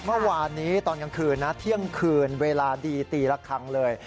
เมื่อวานนี้ตอนกลางคืนนะเที่ยงคืนเวลาดีตีละครั้งเลย